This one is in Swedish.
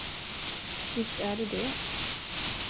Visst är det det.